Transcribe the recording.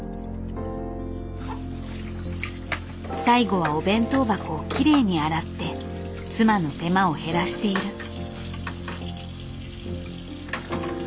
最後はお弁当箱をきれいに洗って妻の手間を減らしている。